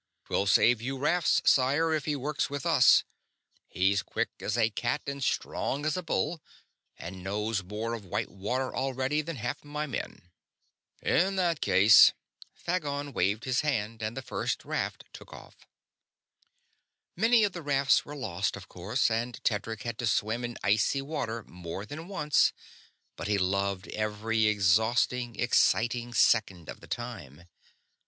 "'Twill save you rafts, sire, if he works with us. He's quick as a cat and strong as a bull, and knows more of white water already than half my men." "In that case ..." Phagon waved his hand and the first raft took off. Many of the rafts were lost, of course; and Tedric had to swim in icy water more than once, but he loved every exhausting, exciting second of the time.